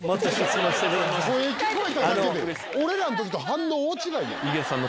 俺らの時と反応大違いやん。